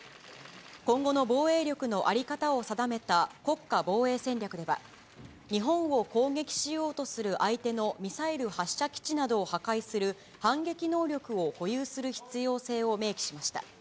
今後の防衛力の在り方を定めた国家防衛戦略では、日本を攻撃しようとする相手のミサイル発射基地などを破壊する反撃能力を保有する必要性を明記しました。